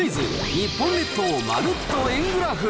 日本列島まるっと円グラフ。